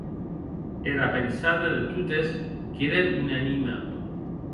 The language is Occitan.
Era pensada de totes qu’ere unanima.